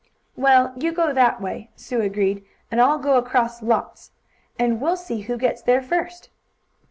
"Well, you go that way," Sue agreed, "and I'll go across lots, and we'll see who gets there first."